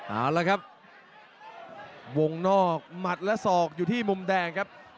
เอาละครับวงนอกหมัดและศอกอยู่ที่มุมแดงครับ